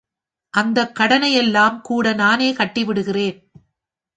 அந்தக் கடனையெல்லாம் கூட நானே கட்டிவிடுகிறேன்.